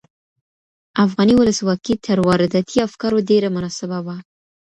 افغاني ولسواکي تر وارداتي افکارو ډېره مناسبه وه.